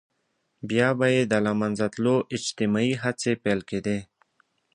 بيا به يې د له منځه تلو اجتماعي هڅې پيل کېدې.